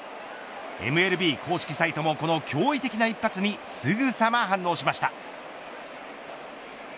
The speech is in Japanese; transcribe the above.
ＭＬＢ公式サイトもこの驚異的な一発にすぐさま反応しました。